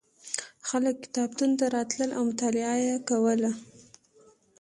خلک کتابتون ته راتلل او مطالعه یې کوله.